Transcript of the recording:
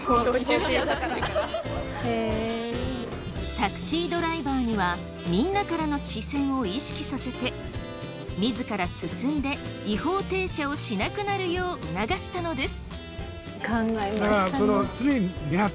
タクシードライバーにはみんなからの視線を意識させて自ら進んで違法停車をしなくなるよう促したのです。